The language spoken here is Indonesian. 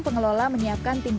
pengelola menyiapkan timpongan